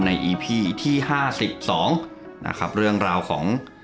ในอีพี่ที่ห้าสิบสองนะครับเรื่องราวของ